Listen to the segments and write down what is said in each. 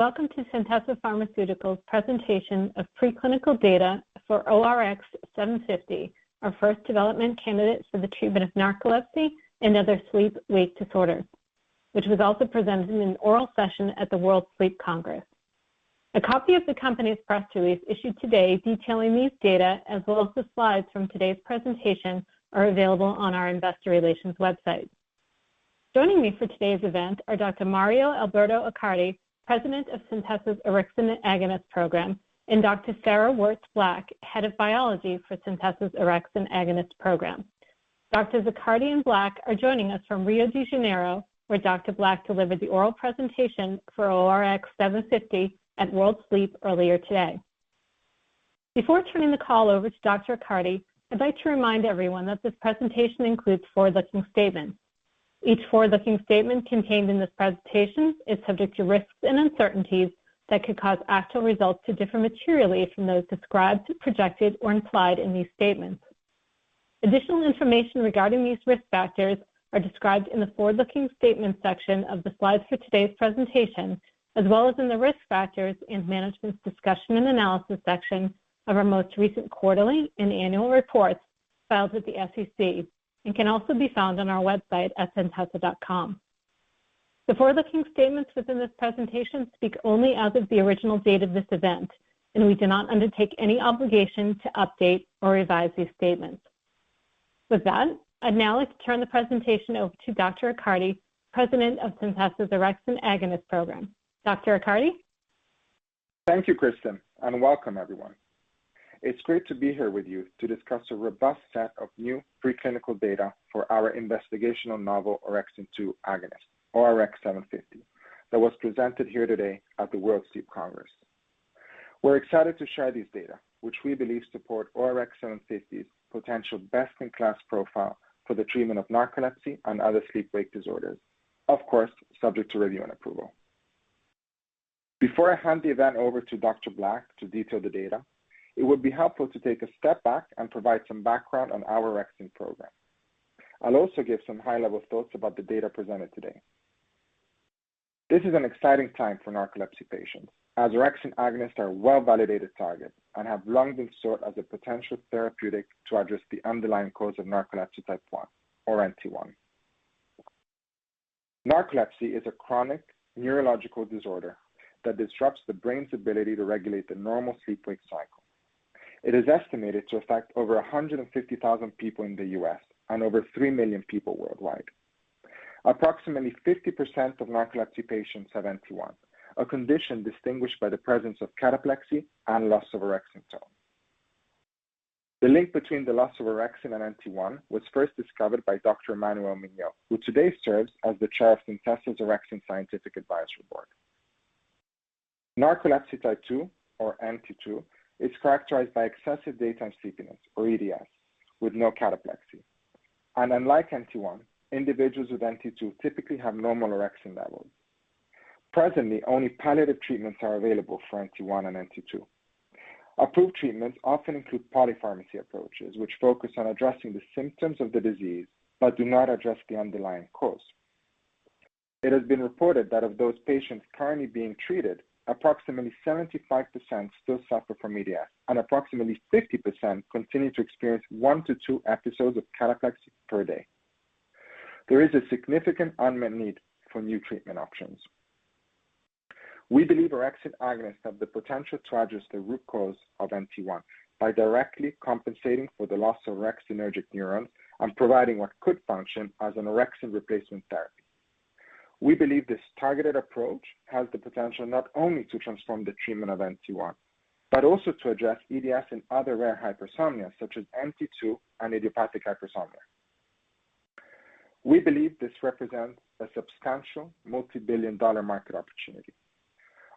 Welcome to Centessa Pharmaceuticals' presentation of preclinical data for ORX750, our first development candidate for the treatment of narcolepsy and other sleep-wake disorders, which was also presented in an oral session at the World Sleep Congress. A copy of the company's press release issued today detailing these data, as well as the slides from today's presentation, are available on our investor relations website. Joining me for today's event are Dr. Mario Alberto Accardi, President of Centessa's Orexin Agonist Program, and Dr. Sarah Wurts Black, Head of Biology for Centessa's Orexin Agonist Program. Doctors Accardi and Black are joining us from Rio de Janeiro, where Dr. Black delivered the oral presentation for ORX750 at World Sleep earlier today. Before turning the call over to Dr. Accardi, I'd like to remind everyone that this presentation includes forward-looking statements. Each forward-looking statement contained in this presentation is subject to risks and uncertainties that could cause actual results to differ materially from those described, projected, or implied in these statements. Additional information regarding these risk factors are described in the forward-looking statements section of the slides for today's presentation, as well as in the Risk Factors and Management's Discussion and Analysis section of our most recent quarterly and annual reports filed with the SEC, and can also be found on our website at centessa.com. The forward-looking statements within this presentation speak only as of the original date of this event, and we do not undertake any obligation to update or revise these statements. With that, I'd now like to turn the presentation over to Dr. Accardi, President of Centessa's Orexin Agonist Program. Dr. Accardi? Thank you, Kristen, and welcome everyone. It's great to be here with you to discuss a robust set of new preclinical data for our investigational novel orexin-2 agonist, ORX750, that was presented here today at the World Sleep Congress. We're excited to share this data, which we believe support ORX750's potential best-in-class profile for the treatment of narcolepsy and other sleep-wake disorders. Of course, subject to review and approval. Before I hand the event over to Dr. Black to detail the data, it would be helpful to take a step back and provide some background on our orexin program. I'll also give some high-level thoughts about the data presented today. This is an exciting time for narcolepsy patients, as orexin agonists are well-validated targets and have long been sought as a potential therapeutic to address the underlying cause of narcolepsy type 1, or NT1. Narcolepsy is a chronic neurological disorder that disrupts the brain's ability to regulate the normal sleep-wake cycle. It is estimated to affect over 150,000 people in the U.S. and over 3 million people worldwide. Approximately 50% of narcolepsy patients have NT1, a condition distinguished by the presence of cataplexy and loss of orexin tone. The link between the loss of orexin and NT1 was first discovered by Dr. Emmanuel Mignot, who today serves as the chair of Centessa's Orexin Scientific Advisory Board. Narcolepsy type 2, or NT2, is characterized by excessive daytime sleepiness, or EDS, with no cataplexy, and unlike NT1, individuals with NT2 typically have normal orexin levels. Presently, only palliative treatments are available for NT1 and NT2. Approved treatments often include polypharmacy approaches, which focus on addressing the symptoms of the disease but do not address the underlying cause. It has been reported that of those patients currently being treated, approximately 75% still suffer from EDS, and approximately 50% continue to experience one to two episodes of cataplexy per day. There is a significant unmet need for new treatment options. We believe orexin agonists have the potential to address the root cause of NT1 by directly compensating for the loss of orexinergic neurons and providing what could function as an orexin replacement therapy. We believe this targeted approach has the potential not only to transform the treatment of NT1, but also to address EDS and other rare hypersomnias, such as NT2 and idiopathic hypersomnia. We believe this represents a substantial multibillion-dollar market opportunity.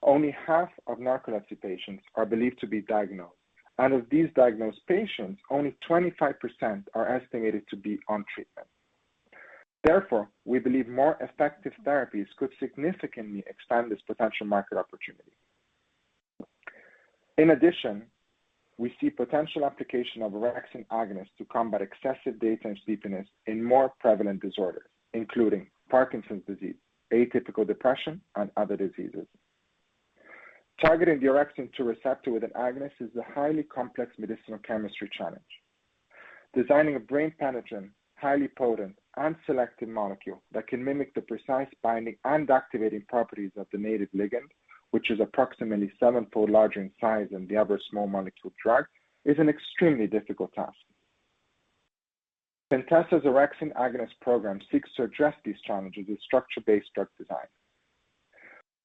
Only half of narcolepsy patients are believed to be diagnosed, and of these diagnosed patients, only 25% are estimated to be on treatment. Therefore, we believe more effective therapies could significantly expand this potential market opportunity. In addition, we see potential application of orexin agonists to combat excessive daytime sleepiness in more prevalent disorders, including Parkinson's disease, atypical depression, and other diseases. Targeting the orexin-2 receptor with an agonist is a highly complex medicinal chemistry challenge. Designing a brain penetrant, highly potent, and selective molecule that can mimic the precise binding and activating properties of the native ligand, which is approximately sevenfold larger in size than the other small molecule drugs, is an extremely difficult task. Centessa's Orexin Agonist Program seeks to address these challenges with structure-based drug design.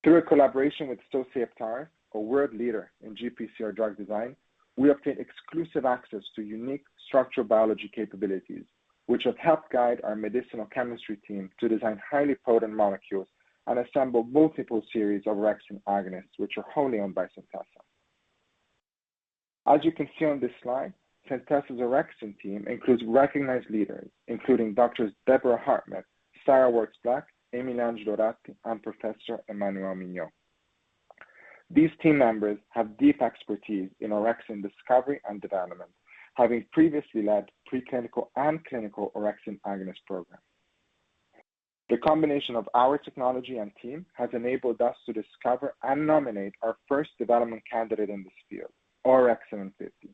Through a collaboration with Sosei Heptares, a world leader in GPCR drug design, we obtained exclusive access to unique structural biology capabilities, which have helped guide our medicinal chemistry team to design highly potent molecules and assemble multiple series of orexin agonists, which are wholly owned by Centessa. As you can see on this slide, Centessa's Orexin team includes recognized leaders, including Doctors Deborah Hartman, Sarah Wurts Black, Amy Lange-DOrati, and Professor Emmanuel Mignot. These team members have deep expertise in orexin discovery and development, having previously led preclinical and clinical orexin agonist programs. The combination of our technology and team has enabled us to discover and nominate our first development candidate in this field, ORX750,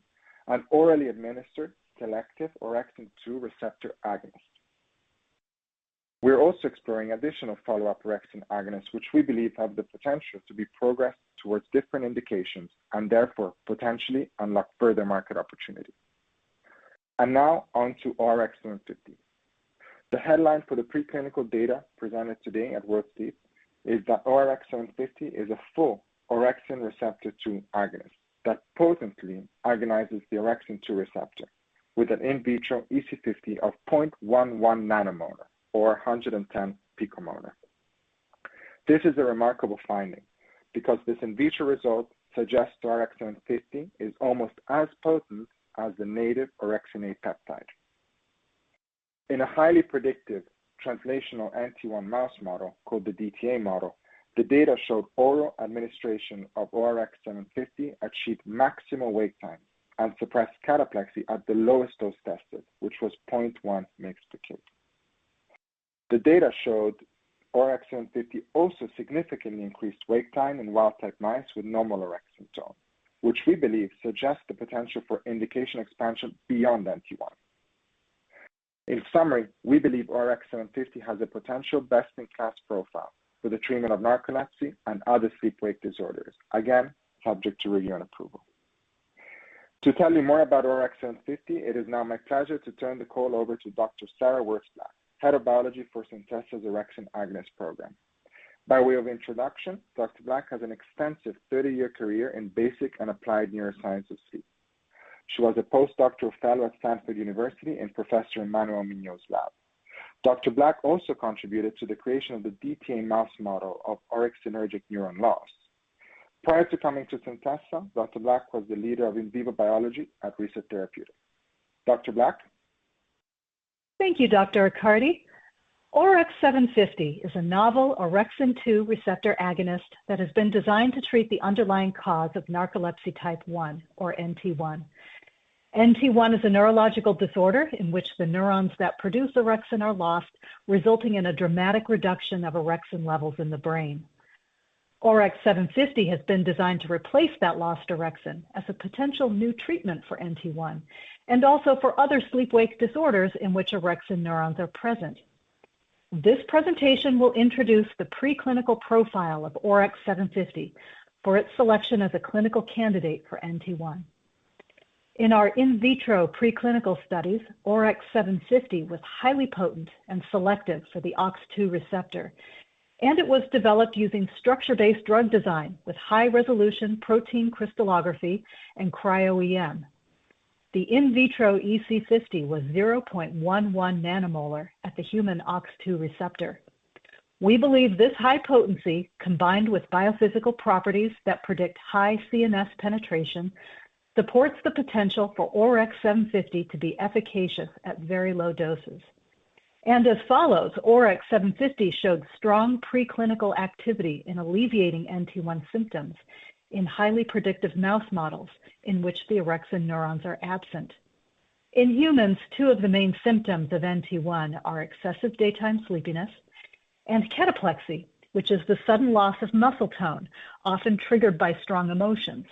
an orally administered, selective orexin-2 receptor agonist. We're also exploring additional follow-up orexin agonists, which we believe have the potential to be progressed towards different indications and therefore potentially unlock further market opportunities. Now on to ORX750. The headline for the preclinical data presented today at Sleep is that ORX750 is a full orexin receptor 2 agonist that potently agonizes the orexin-2 receptor with an in vitro EC50 of 0.11 nM or 110 pM. This is a remarkable finding because this in vitro result suggests ORX750 is almost as potent as the native orexin A peptide. In a highly predictive translational NT1 mouse model called the DTA model, the data showed oral administration of ORX750 achieved maximal wake time and suppressed cataplexy at the lowest dose tested, which was 0.1 mg/kg. The data showed ORX750 also significantly increased wake time in wild-type mice with normal orexin tone, which we believe suggests the potential for indication expansion beyond NT1. In summary, we believe ORX750 has a potential best-in-class profile for the treatment of narcolepsy and other sleep-wake disorders. Again, subject to review and approval. To tell you more about ORX750, it is now my pleasure to turn the call over to Dr. Sarah Wurts Black, Head of Biology for Centessa's Orexin Agonist Program. By way of introduction, Dr. Black has an extensive 30-year career in basic and applied neuroscience of sleep. She was a postdoctoral fellow at Stanford University and professor in Emmanuel Mignot's lab. Dr. Black also contributed to the creation of the DTA mouse model of orexinergic neuron loss. Prior to coming to Centessa, Dr. Black was the leader of in vivo biology at Reset Therapeutics. Dr. Black? Thank you, Dr. Accardi. ORX750 is a novel orexin receptor 2 agonist that has been designed to treat the underlying cause of narcolepsy type 1 or NT1. NT1 is a neurological disorder in which the neurons that produce orexin are lost, resulting in a dramatic reduction of orexin levels in the brain. ORX750 has been designed to replace that lost orexin as a potential new treatment for NT1 and also for other sleep-wake disorders in which orexin neurons are present. This presentation will introduce the preclinical profile of ORX750 for its selection as a clinical candidate for NT1. In our in vitro preclinical studies, ORX750 was highly potent and selective for the OX2 receptor, and it was developed using structure-based drug design with high-resolution protein crystallography and cryo-EM. The in vitro EC50 was 0.11 nM at the human OX2R receptor. We believe this high potency, combined with biophysical properties that predict high CNS penetration, supports the potential for ORX750 to be efficacious at very low doses. As follows, ORX750 showed strong preclinical activity in alleviating NT1 symptoms in highly predictive mouse models in which the orexin neurons are absent. In humans, two of the main symptoms of NT1 are excessive daytime sleepiness and cataplexy, which is the sudden loss of muscle tone, often triggered by strong emotions.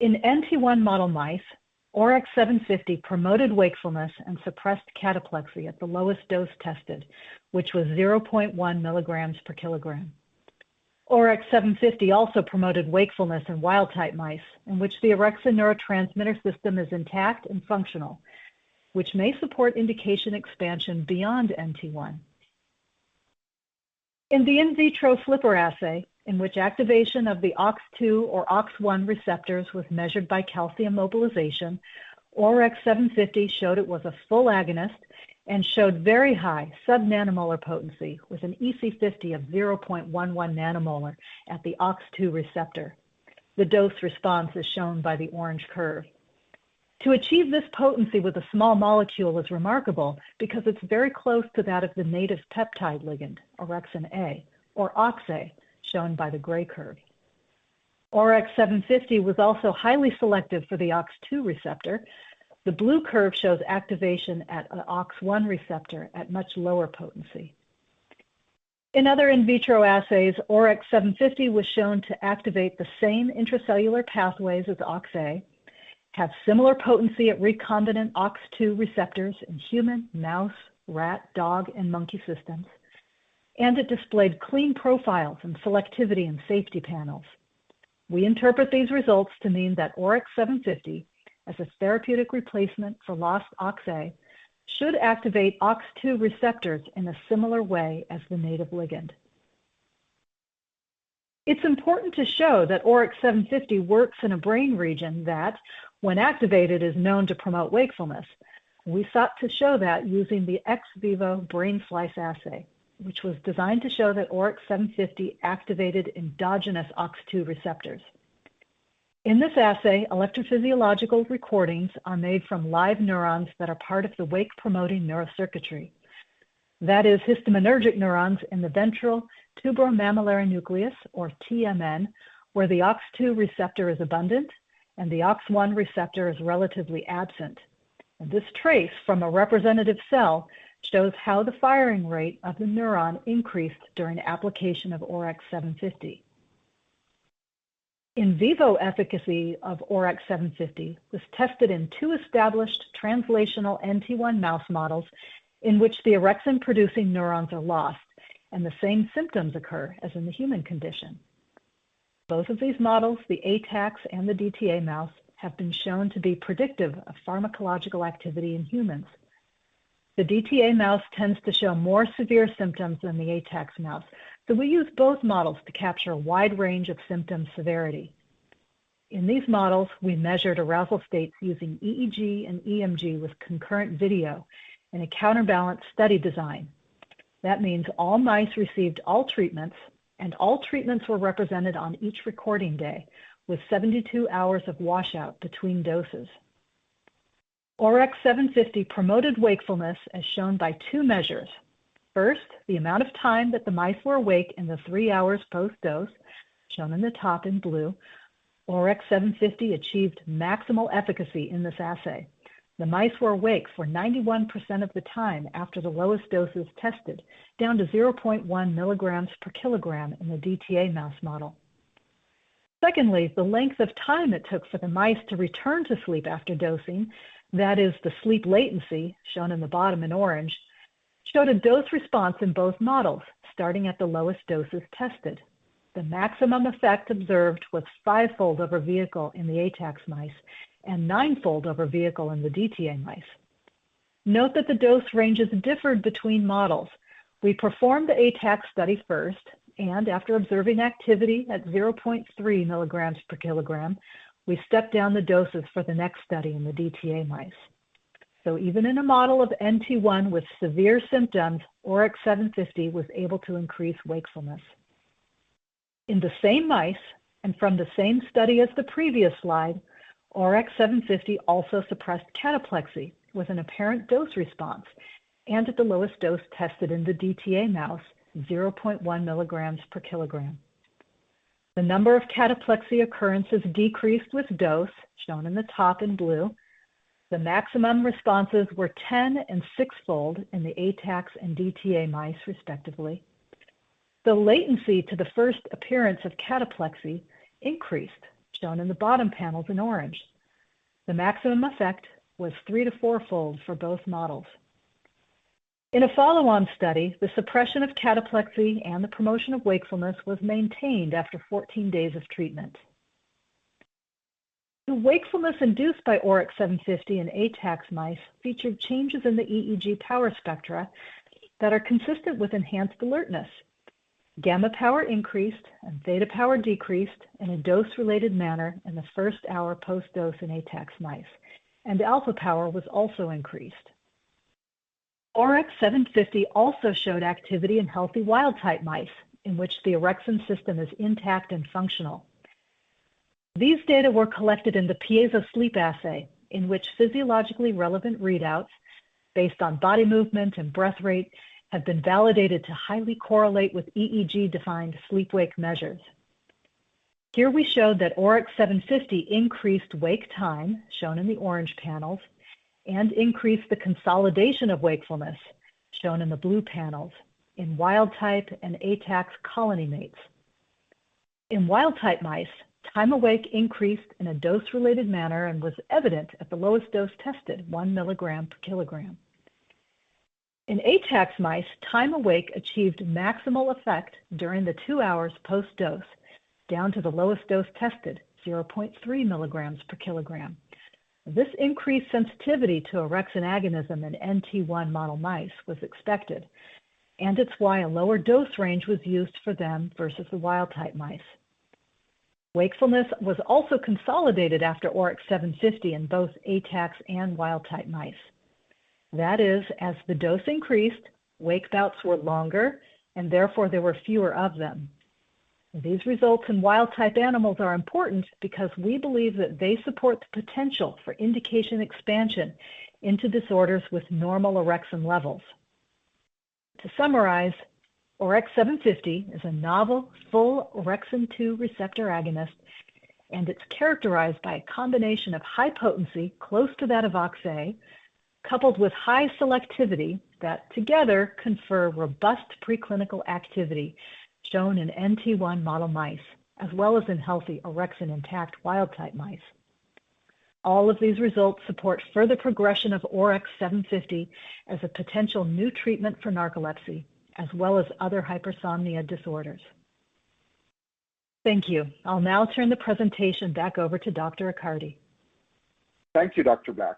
In NT1 model mice, ORX750 promoted wakefulness and suppressed cataplexy at the lowest dose tested, which was 0.1 mg/kg. ORX750 also promoted wakefulness in wild-type mice, in which the orexin neurotransmitter system is intact and functional, which may support indication expansion beyond NT1. In the in vitro FLIPR assay, in which activation of the OX2 or OX1 receptors was measured by calcium mobilization, ORX750 showed it was a full agonist and showed very high subnanomolar potency, with an EC50 of 0.11 nM at the OX2 receptor. The dose response is shown by the orange curve. To achieve this potency with a small molecule is remarkable because it's very close to that of the native peptide ligand, orexin A or OXA, shown by the gray curve. ORX750 was also highly selective for the OX2 receptor. The blue curve shows activation at an OX1 receptor at much lower potency. In other in vitro assays, ORX750 was shown to activate the same intracellular pathways as OXA, have similar potency at recombinant OX2 receptors in human, mouse, rat, dog and monkey systems, and it displayed clean profiles in selectivity and safety panels. We interpret these results to mean that ORX750, as a therapeutic replacement for lost OXA, should activate OX2 receptors in a similar way as the native ligand. It's important to show that ORX750 works in a brain region that, when activated, is known to promote wakefulness. We sought to show that using the ex vivo brain slice assay, which was designed to show that ORX750 activated endogenous OX2 receptors. In this assay, electrophysiological recordings are made from live neurons that are part of the wake-promoting neurocircuitry. That is histaminergic neurons in the ventral tuberomammillary nucleus or TMN, where the OX2 receptor is abundant, and the OX1 receptor is relatively absent. This trace from a representative cell shows how the firing rate of the neuron increased during application of ORX750. In vivo efficacy of ORX750 was tested in two established translational NT1 mouse models, in which the orexin-producing neurons are lost and the same symptoms occur as in the human condition. Both of these models, the Atax and the DTA mouse, have been shown to be predictive of pharmacological activity in humans. The DTA mouse tends to show more severe symptoms than the Atax mouse, so we use both models to capture a wide range of symptom severity. In these models, we measured arousal states using EEG and EMG with concurrent video in a counterbalance study design. That means all mice received all treatments, and all treatments were represented on each recording day, with 72 hours of washout between doses. ORX750 promoted wakefulness, as shown by two measures. First, the amount of time that the mice were awake in the three hours post-dose, shown in the top in blue. ORX750 achieved maximal efficacy in this assay. The mice were awake for 91% of the time after the lowest doses tested, down to 0.1 mg/kg in the DTA mouse model. Secondly, the length of time it took for the mice to return to sleep after dosing, that is the sleep latency, shown in the bottom in orange, showed a dose response in both models, starting at the lowest doses tested. The maximum effect observed was fivefold over vehicle in the Atax mice and ninefold over vehicle in the DTA mice. Note that the dose ranges differed between models. We performed the Atax study first, and after observing activity at 0.3 mg/kg, we stepped down the doses for the next study in the DTA mice. So even in a model of NT1 with severe symptoms, ORX750 was able to increase wakefulness. In the same mice, and from the same study as the previous slide, ORX750 also suppressed cataplexy with an apparent dose response, and at the lowest dose tested in the DTA mouse, 0.1 mg/kg. The number of cataplexy occurrences decreased with dose, shown in the top in blue. The maximum responses were tenfold and sixfold in the Atax and DTA mice, respectively. The latency to the first appearance of cataplexy increased, shown in the bottom panels in orange. The maximum effect was three- to four-fold for both models. In a follow-on study, the suppression of cataplexy and the promotion of wakefulness was maintained after 14 days of treatment. The wakefulness induced by ORX750 in Atax mice featured changes in the EEG power spectra that are consistent with enhanced alertness. Gamma power increased and theta power decreased in a dose-related manner in the first hour post-dose in Atax mice, and alpha power was also increased. ORX750 also showed activity in healthy wild-type mice, in which the orexin system is intact and functional. These data were collected in the PiezoSleep assay, in which physiologically relevant readouts based on body movement and breath rate have been validated to highly correlate with EEG-defined sleep-wake measures. Here, we showed that ORX750 increased wake time, shown in the orange panels, and increased the consolidation of wakefulness, shown in the blue panels, in wild-type and Atax colony mates. In wild-type mice, time awake increased in a dose-related manner and was evident at the lowest dose tested, 1 mg/kg. In Atax mice, time awake achieved maximal effect during the two hours post-dose, down to the lowest dose tested, 0.3 mg/kg. This increased sensitivity to orexin agonism in NT1 model mice was expected, and it's why a lower dose range was used for them versus the wild-type mice. Wakefulness was also consolidated after ORX750 in both Atax and wild-type mice. That is, as the dose increased, wake bouts were longer, and therefore there were fewer of them. These results in wild-type animals are important because we believe that they support the potential for indication expansion into disorders with normal orexin levels. To summarize, ORX750 is a novel full orexin-2 receptor agonist, and it's characterized by a combination of high potency, close to that of OXA, coupled with high selectivity that together confer robust preclinical activity shown in NT1 model mice, as well as in healthy orexin-intact wild-type mice. All of these results support further progression of ORX750 as a potential new treatment for narcolepsy as well as other hypersomnia disorders. Thank you. I'll now turn the presentation back over to Dr. Accardi. Thank you, Dr. Black.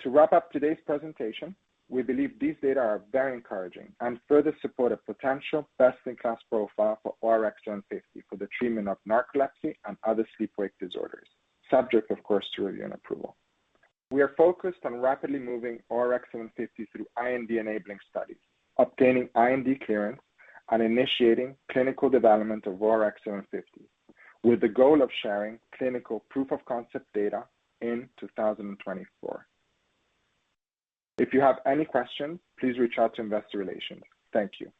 To wrap up today's presentation, we believe these data are very encouraging and further support a potential best-in-class profile for ORX750 for the treatment of narcolepsy and other sleep-wake disorders, subject, of course, to review and approval. We are focused on rapidly moving ORX750 through IND-enabling studies, obtaining IND clearance, and initiating clinical development of ORX750, with the goal of sharing clinical proof-of-concept data in 2024. If you have any questions, please reach out to Investor Relations. Thank you.